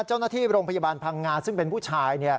เจ้าหน้าที่โรงพยาบาลพังงาซึ่งเป็นผู้ชาย